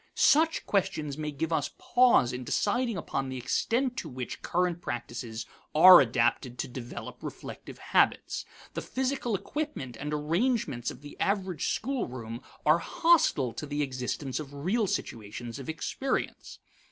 Such questions may give us pause in deciding upon the extent to which current practices are adapted to develop reflective habits. The physical equipment and arrangements of the average schoolroom are hostile to the existence of real situations of experience.